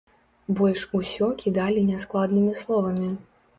Больш усё кідалі няскладнымі словамі.